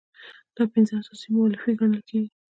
دا پنځه اساسي مولفې ګڼل کیږي.